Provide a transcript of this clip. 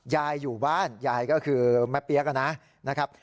ยายอยู่บ้านยายก็คือแม่เปี๊ยกนะครับ